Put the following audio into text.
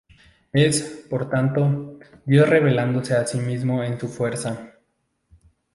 Es, por tanto, Dios revelándose a sí mismo en su Fuerza.